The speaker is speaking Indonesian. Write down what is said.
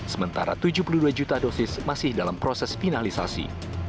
sementara tujuh puluh dua juta dosis masih dalam proses finalisasi